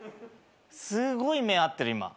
すごい目合ってる今。